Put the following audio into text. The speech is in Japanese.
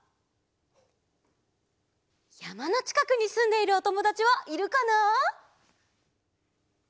やまのちかくにすんでいるおともだちはいるかな？